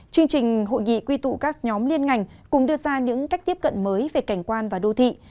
chương trình hội nghị quy tụ các nhóm liên ngành cùng đưa ra những cách tiếp cận mới về cảnh quan và đô thị